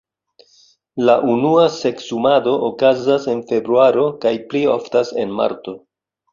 La unua seksumado okazas en februaro kaj pli oftas en marto.